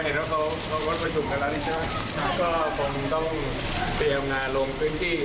ก็เห็นว่าเขาพร้อมวัดประชุมกันแล้วนี่เชิญก็คงต้องเตรียมงานลงพื้นที่